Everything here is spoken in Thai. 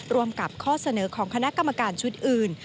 ร่วมกับข้อเสนอของคณะกรรมการชุดอื่น